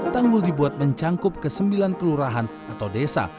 tanggul dibuat mencangkup ke sembilan kelurahan atau desa